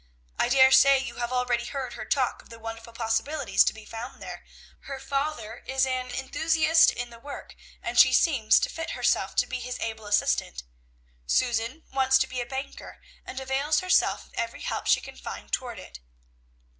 I dare say you have already heard her talk of the wonderful possibilities to be found there. Her father is an enthusiast in the work, and she means to fit herself to be his able assistant. Susan wants to be a banker, and avails herself of every help she can find toward it.